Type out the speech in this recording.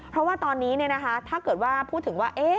เพราะว่าตอนนี้ถ้าเกิดว่าพูดถึงว่า